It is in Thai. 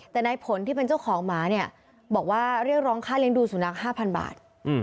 แต่นายผลที่เป็นเจ้าของหมาเนี่ยบอกว่าเรียกร้องค่าเลี้ยงดูสุนัข๕๐๐บาท